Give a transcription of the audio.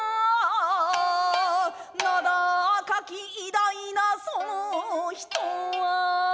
「名高き偉大なその人は」